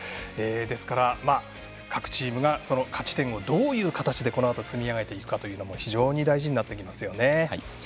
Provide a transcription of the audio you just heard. ですから、各チームが勝ち点をどういう形でこのあと積み上げていくのかも非常に大事になってきます。